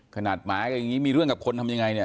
หมากันอย่างนี้มีเรื่องกับคนทำยังไงเนี่ย